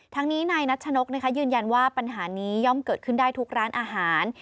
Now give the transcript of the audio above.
ทั้งนี้นายนัชนกยืนยันว่าปัญหานี้ย่อมเกิดขึ้นได้ทุกร้านอาหาร